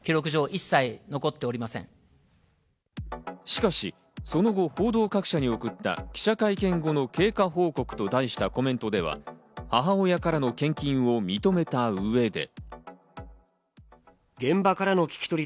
しかしその後、報道各社に送った記者会見後の経過報告と題したコメントでは、母親からの献金を認めた上で。